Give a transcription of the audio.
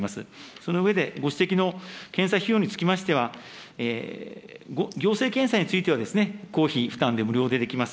その上でご指摘の検査費用につきましては、行政検査については公費負担で無料でできます。